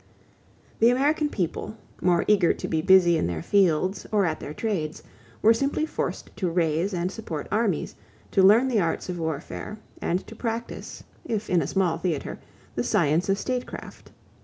The American people, more eager to be busy in their fields or at their trades, were simply forced to raise and support armies, to learn the arts of warfare, and to practice, if in a small theater, the science of statecraft.